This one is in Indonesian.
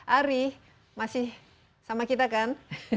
ari masih sama kita kan